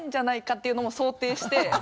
っていうのも想定して。